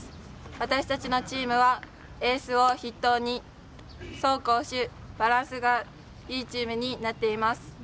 私たちのチームはエースを筆頭に走攻守、バランスがいいチームになっています。